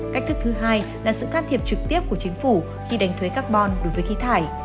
cách thức thứ hai là sự can thiệp trực tiếp của chính phủ khi đánh thuế carbon đối với khí thải